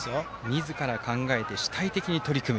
みずから考えて主体的に取り組む。